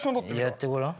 やってごらん。